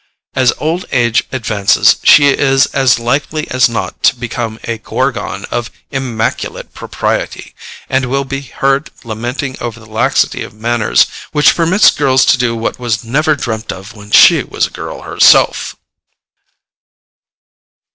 As old age advances, she is as likely as not to become a gorgon of immaculate propriety, and will be heard lamenting over the laxity of manners which permits girls to do what was never dreamt of when she was a girl herself.